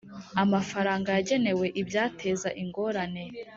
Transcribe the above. amafaranga yagenewe ibyateza ingorane